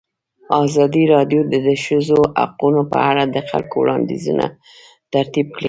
ازادي راډیو د د ښځو حقونه په اړه د خلکو وړاندیزونه ترتیب کړي.